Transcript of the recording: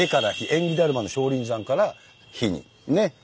「縁起だるまの少林山」から「ひ」にね。